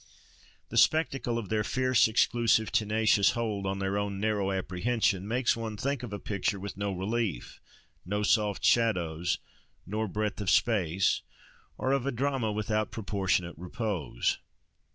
The spectacle of their fierce, exclusive, tenacious hold on their own narrow apprehension, makes one think of a picture with no relief, no soft shadows nor breadth of space, or of a drama without proportionate repose.